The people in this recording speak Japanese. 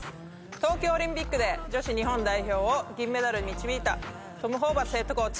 東京オリンピックで女子日本代表を銀メダルに導いたトム・ホーバスヘッドコーチ。